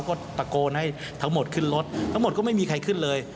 ก็ตะโกนให้ทั้งหมดขึ้นรถทั้งหมดก็ไม่มีใครขึ้นเลย